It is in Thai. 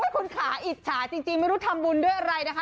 คุณขาอิจฉาจริงไม่รู้ทำบุญด้วยอะไรนะคะ